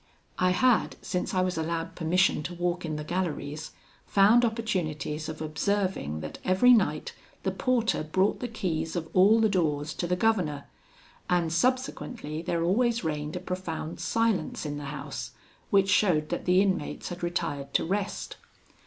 I had, since I was allowed permission to walk in the galleries, found opportunities of observing that every night the porter brought the keys of all the doors to the governor, and subsequently there always reigned a profound silence in the house, which showed that the inmates had retired to rest.